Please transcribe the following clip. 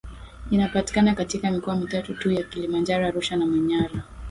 inapatikana katika mikoa mitatu tu ya Kilimanjaro Arusha na Manyara